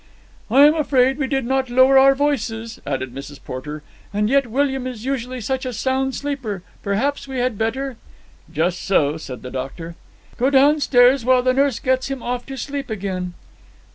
"I am afraid we did not lower our voices," added Mrs. Porter. "And yet William is usually such a sound sleeper. Perhaps we had better——" "Just so," said the doctor. "——go downstairs while the nurse gets him off to sleep again."